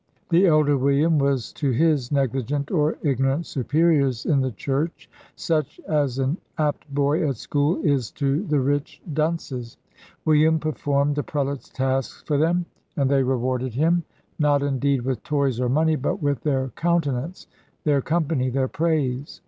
The elder William was to his negligent or ignorant superiors in the church such as an apt boy at school is to the rich dunces William performed the prelates' tasks for them, and they rewarded him not indeed with toys or money, but with their countenance, their company, their praise.